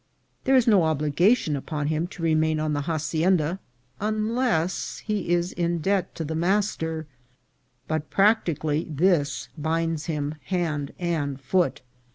There is no obligation upon him to remain on the hacienda unless he is in debt to the master, but, practically, this binds him hand and foot.